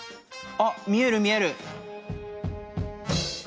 あっみえるみえる！